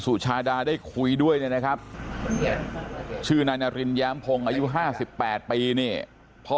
สุชาดาได้คุยด้วยนะครับชื่อนายนารินแย้มพงศ์อายุ๕๘ปีนี่พ่อ